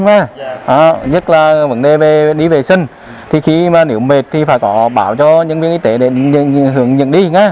nhất là vấn đề về đi vệ sinh nếu mệt thì phải bảo cho nhân viên y tế để hướng dẫn đi